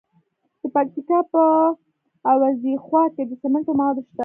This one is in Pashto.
د پکتیکا په وازیخوا کې د سمنټو مواد شته.